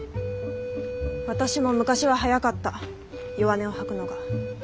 私も昔は早かった弱音を吐くのが。